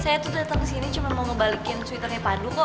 saya tuh dateng sini cuma mau ngebalikin sweaternya pandu kok